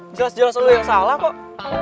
jelas jelas ada yang salah kok